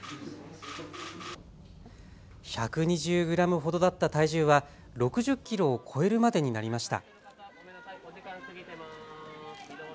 １２０グラムほどだった体重は６０キロを超えるまでになりました。